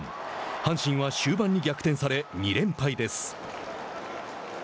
阪神は終盤に逆転され２連敗です。